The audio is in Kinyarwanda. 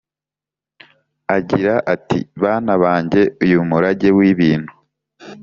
agira ati: “bana bange, uyu murage w’ibintu